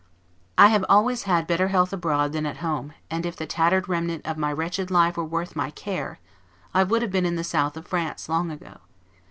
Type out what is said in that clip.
I have always had better health abroad than at home; and if the tattered remnant of my wretched life were worth my care, I would have been in the south of France long ago.